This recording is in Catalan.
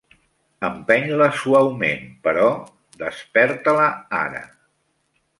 Empeny-la suaument però desperta-la ara.